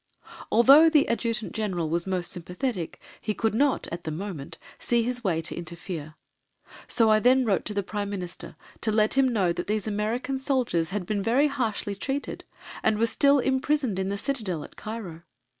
Although the Adjutant General was most sympathetic, he could not, at the moment, see his way to interfere, so I then wrote to the Prime Minister to let him know that these American soldiers had been very harshly treated and were still imprisoned in the Citadel at Cairo.